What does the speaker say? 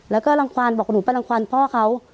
แล้วก็รังความบอกหนูไปรังความพ่อเขา